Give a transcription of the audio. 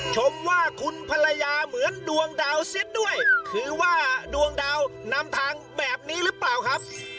ชมว่าคุณภรรยาเหมือนดวงดาวซิดด้วยคือว่าดวงดาวนำทางแบบนี้หรือเปล่าครับ